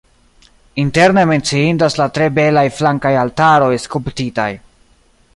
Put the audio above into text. Interne menciindas la tre belaj flankaj altaroj skulptitaj.